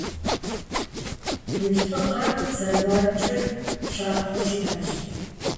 Уи лӀыгъэр, зэфӀэкӀыр щапхъэу сиӀащ.